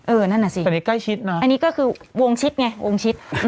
นั่นน่ะสิอันนี้ใกล้ชิดนะอันนี้ก็คือวงชิดไงวงชิด